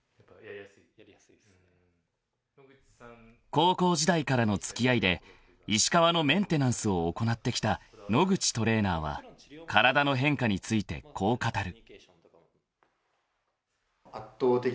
［高校時代からの付き合いで石川のメンテナンスを行ってきた野口トレーナーは体の変化についてこう語る］